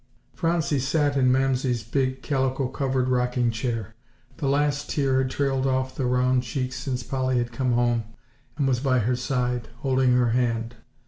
Phronsie sat in Mamsie's big calico covered rocking chair. The last tear had trailed off the round cheek since Polly had come home and was by her side, holding her hand.